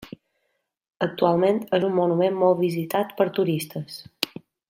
Actualment és un monument molt visitat pels turistes.